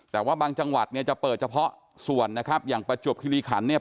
แต่ว่าบางจังหวัดเนี่ยจะเปิดเฉพาะส่วนนะครับอย่างประจวบคิริขันเนี่ย